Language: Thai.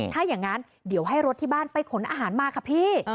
ถ้าอย่างนั้นเดี๋ยวให้รถที่บ้านไปขนอาหารมาค่ะพี่